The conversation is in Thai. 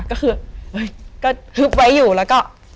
ก็คือก็ฮึบไว้อยู่แล้วก็